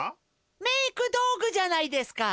メークどうぐじゃないですか？